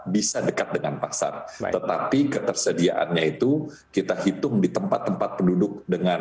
bisa dekat dengan pasar tetapi ketersediaannya itu kita hitung di tempat tempat penduduk dengan